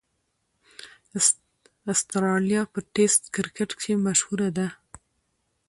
اسټرالیا په ټېسټ کرکټ کښي مشهوره ده.